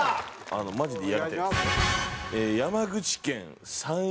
マジでやりたいです。